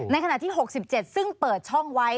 ขณะที่๖๗ซึ่งเปิดช่องไว้